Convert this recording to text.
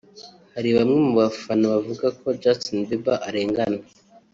Hari bamwe mu bafana bavuga ko Justin Bieber arengana